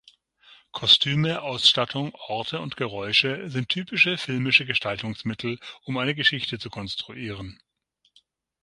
Kostüme, Ausstattung, Orte und Geräusche sind typische filmische Gestaltungsmittel, um eine Geschichte zu konstruieren.